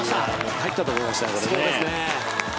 入ったと思いましたけどね。